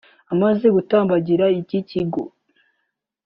amaze gutambagira iki kigo